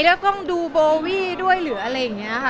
แล้วกล้องดูโบวี่ด้วยหรืออะไรอย่างนี้ค่ะ